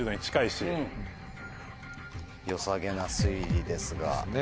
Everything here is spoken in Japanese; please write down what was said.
良さげな推理ですがね。